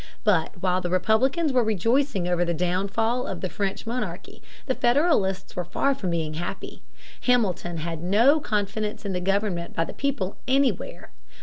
But, while the Republicans were rejoicing over the downfall of the French monarchy, the Federalists were far from being happy. Hamilton had no confidence in government by the people anywhere.